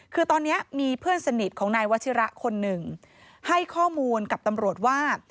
คือตอนนี้มีเพื่อนสนิทของนายวชิระคนหนึ่งให้ข้อมูลกับตำรวจว่า